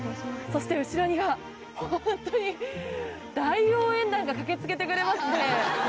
そして後ろには本当に大応援団が駆け付けてくれましたね。